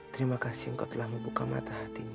terima kasih engkau telah membuka mata hatinya